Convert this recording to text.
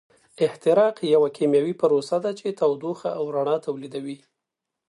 احتراق یوه کیمیاوي پروسه ده چې تودوخه او رڼا تولیدوي.